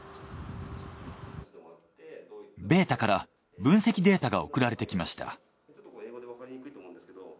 ベータから分析データが送られてきました。